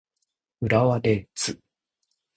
浦和レッズ